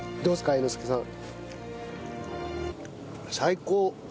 猿之助さん。